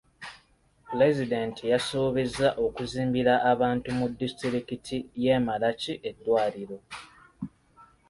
Pulezidenti yasuubiza okuzimbira abantu mu disitulikiti y'e Malachi eddwaliro.